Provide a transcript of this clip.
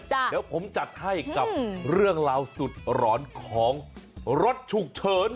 เดี๋ยวผมจัดให้กับเรื่องราวสุดหลอนของรถฉุกเฉิน